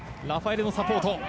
ラファエレのサポート。